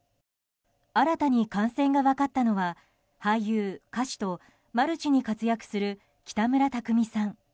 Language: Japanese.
新たに感染が分かったのは俳優、歌手とマルチに活躍する北村匠海さん。